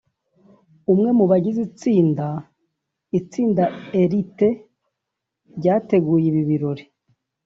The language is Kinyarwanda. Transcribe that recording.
umwe mu bagize itsinda itsinda Elite ryateguye ibi birori